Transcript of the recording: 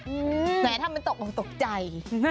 เออแต่ถ้ามันตกตกใจ